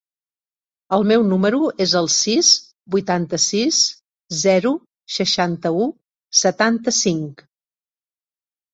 El meu número es el sis, vuitanta-sis, zero, seixanta-u, setanta-cinc.